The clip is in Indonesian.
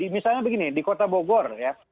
misalnya begini di kota bogor ya